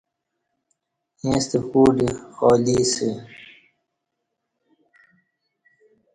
ییݩستہ کوع دی خالی اسہ